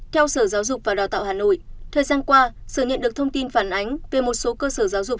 theo sở giáo dục và đào tạo hà nội thời gian qua sở nhận được thông tin phản ánh về một số cơ sở giáo dục